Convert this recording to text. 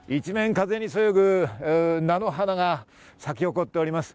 一面、風にそよぐ菜の花が咲き誇っております。